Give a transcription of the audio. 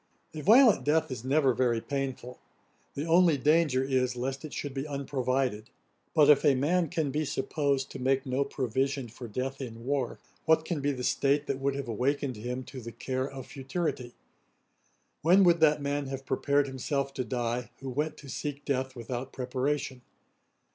A violent death is never very painful; the only danger is lest it should be unprovided. But if a man can be supposed to make no provision for death in war, what can be the state that would have awakened him to the care of futurity? When would that man have prepared himself to die, who went to seek death without preparation?